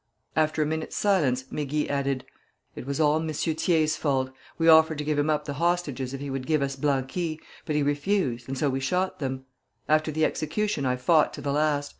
"After a minute's silence, Mégy added: 'It was all M. Thiers' fault. We offered to give him up the hostages if he would give us Blanqui; but he refused, and so we shot them. After the execution I fought to the last.